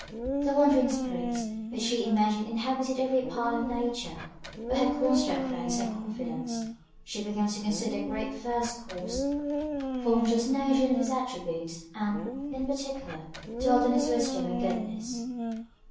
The wandering spirits, which she imagined inhabited every part of nature, were her constant friends and confidants. She began to consider the Great First Cause, formed just notions of his attributes, and, in particular, dwelt on his wisdom and goodness.